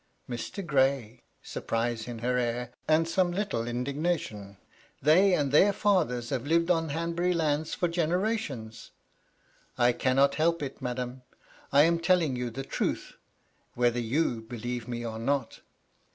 " Mr. Gray "— surprise in her air, and some little in dignation —" they and their fathers have lived on the Hanbury lands for generations I" " I cannot help it, madam. I am telling you the truth, whether you believe me or not."